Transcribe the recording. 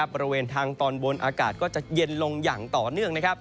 บริเวณทางตอนบนอากาศก็จะเย็นลงอย่างต่อเนื่อง